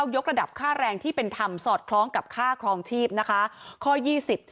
๑๙ยกระดับค่าแรงที่เป็นธรรมสอดคล้องกับค่าครองชีพ